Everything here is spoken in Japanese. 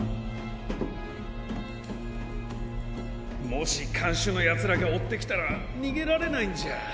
もしかんしゅのヤツらがおってきたらにげられないんじゃ。